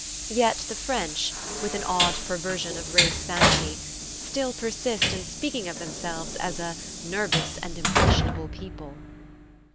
Yet the French, with an odd perversion of race vanity, still persist in speaking of themselves as a "nervous and impressionable" people!